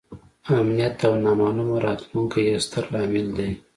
امنیت او نامعلومه راتلونکې یې ستر لامل دی.